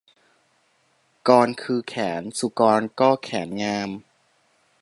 กรคือแขน สุกรก็แขนงาม